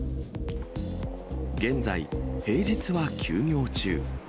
現在、平日は休業中。